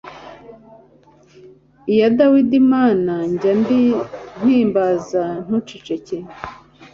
iya Dawidi Mana njya mpimbaza ntuceceke